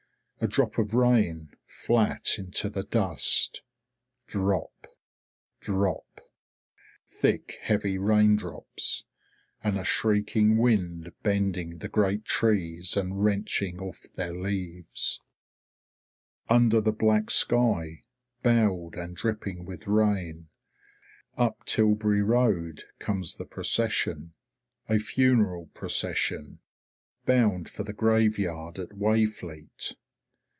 A drop of rain, flat into the dust. Drop! Drop! Thick heavy raindrops, and a shrieking wind bending the great trees and wrenching off their leaves. Under the black sky, bowed and dripping with rain, up Tilbury road, comes the procession. A funeral procession, bound for the graveyard at Wayfleet.